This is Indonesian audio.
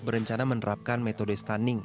berencana menerapkan metode stunning